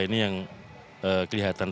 ini yang kelihatan